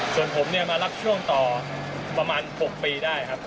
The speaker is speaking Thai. ส่วนผมเนี่ยมารับช่วงต่อประมาณ๖ปีได้ครับ